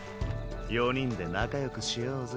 四人で仲よくしようぜ。